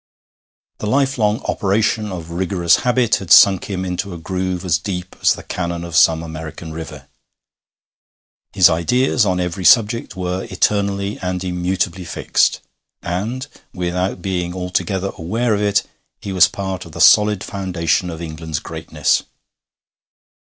The lifelong operation of rigorous habit had sunk him into a groove as deep as the canon of some American river. His ideas on every subject were eternally and immutably fixed, and, without being altogether aware of it, he was part of the solid foundation of England's greatness.